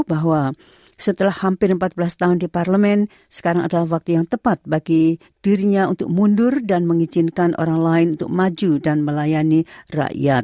bahwa setelah hampir empat belas tahun di parlemen sekarang adalah waktu yang tepat bagi dirinya untuk mundur dan mengizinkan orang lain untuk maju dan melayani rakyat